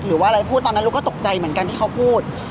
หรือว่าอะไรพูดตอนนั้นลูกก็ตกใจเหมือนกันที่เขาพูด